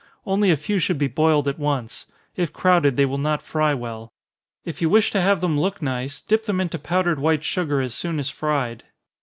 Only a few should be boiled at once if crowded, they will not fry well. If you wish to have them look nice, dip them into powdered white sugar as soon as fried.